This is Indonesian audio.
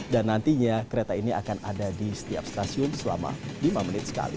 dan nantinya kereta ini akan ada di setiap stasiun selama lima menit sekali